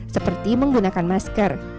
seperti menggunakan masker